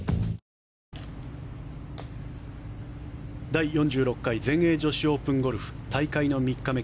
第４６回全英女子オープンゴルフ大会の３日目。